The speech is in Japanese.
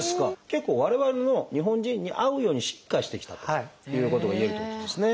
結構我々の日本人に合うように進化してきたということがいえるということですね。